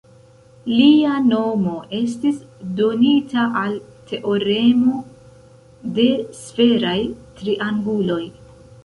Lia nomo estis donita al teoremo de sferaj trianguloj.